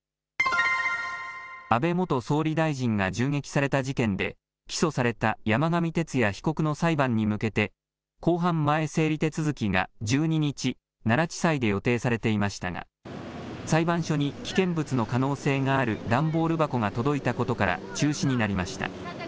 安倍元総理大臣が銃撃された事件で起訴された山上徹也被告の裁判に向けて公判前整理手続きが１２日、奈良地裁で予定されていましたが裁判所に危険物の可能性がある段ボール箱が届いたことから中止になりました。